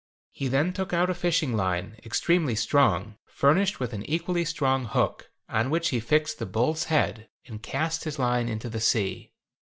He then took out a fishing line, extremely strong, furnished with an equally strong hook, on which he fixed the bull's head, and cast his line into the sea.